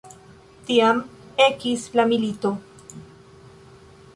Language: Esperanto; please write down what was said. Tiam ekis la milito.